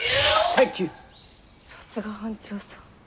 さすが班長さん。